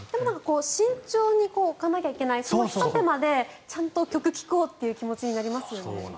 慎重に置かなきゃいけないそのひと手間でちゃんと曲を聴こうという気持ちになりますよね。